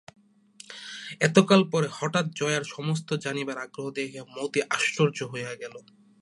এতকাল পরে হঠাৎ জয়ার সমস্ত জানিবার আগ্রহ দেখিয়া মতি আশ্চর্য হইয়া গেল।